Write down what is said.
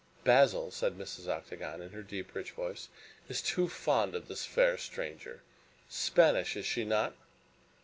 "Basil," said Mrs. Octagon, in her deep, rich voice, "is too fond of this fair stranger Spanish, is she not?"